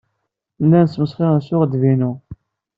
Llan smesxiren s uɣdebbu-inu.